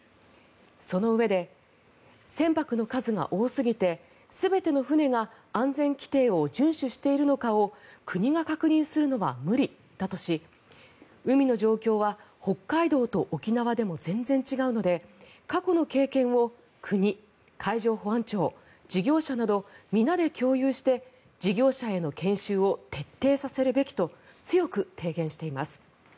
そのうえで、船舶の数が多すぎて全ての船が安全規程を順守しているのかを国が確認するのは無理だとし海の状況は北海道と沖縄でも全然違うので過去の経験を国、海上保安庁、事業者など皆で共有して、事業者への研修を徹底させるべきと強く提言しています。